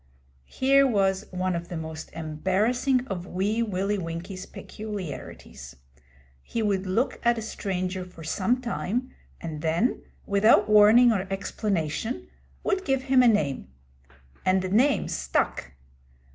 Here was one of the most embarrassing of Wee Willie Winkie's peculiarities. He would look at a stranger for some time, and then, without warning or explanation, would give him a name. And the name stuck.